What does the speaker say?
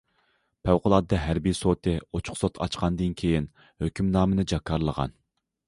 پەۋقۇلئاددە ھەربىي سوتى ئوچۇق سوت ئاچقاندىن كېيىن، ھۆكۈمنامىنى جاكارلىغان.